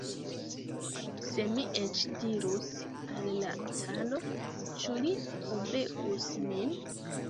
Se mi eĉ dirus al la caro, ĉu li obeus min?